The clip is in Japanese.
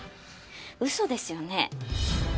嘘ですよね。